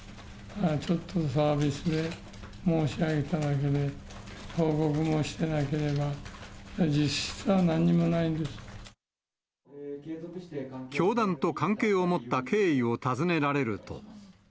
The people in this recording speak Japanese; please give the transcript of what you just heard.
ちょっとサービスで申し上げただけで、報告もしてなければ、教団と関係を持った経緯を尋ねられると。